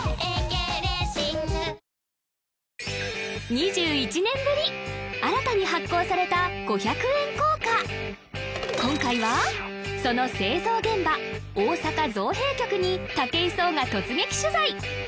２１年ぶり新たに発行された５００円硬貨今回はその製造現場大阪造幣局に武井壮が突撃取材！